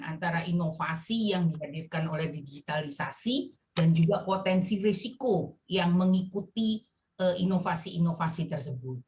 antara inovasi yang dihadirkan oleh digitalisasi dan juga potensi risiko yang mengikuti inovasi inovasi tersebut